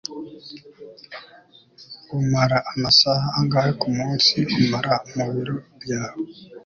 umara amasaha angahe kumunsi umara mu biro byawe